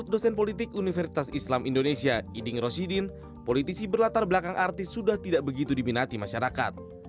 di indonesia iding rosidin politisi berlatar belakang artis sudah tidak begitu diminati masyarakat